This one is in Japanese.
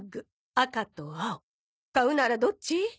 「赤と青買うならどっち？」